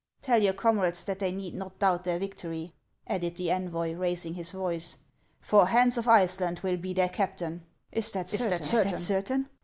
Tell your comrades that they need not doubt their victory," added the envoy, raising his voice ;" for Hans of Iceland will be their captain." " Is that certain